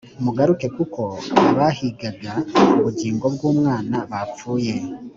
mugaruke kuko abahigaga ubugingo bw’umwana bapfuye